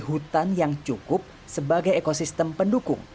hutan yang cukup sebagai ekosistem pendukung